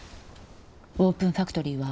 オープンファクトリーは？